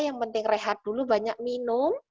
yang penting rehat dulu banyak minum